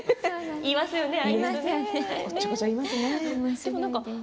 いますよね